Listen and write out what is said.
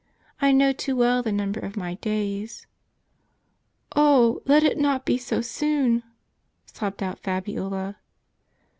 I know too well the number of my days." " Oh ! let it not be so soon !" sobbed out Fabiola.